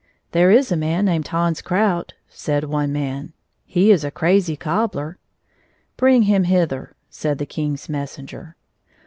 " There is a man named Hans Krout," said one man, " he is a crazy cobbler." " Bring him hither," said the king's messenger.